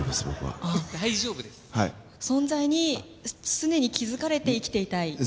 僕は存在に常に気づかれて生きていたい？